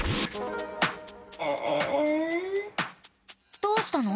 どうしたの？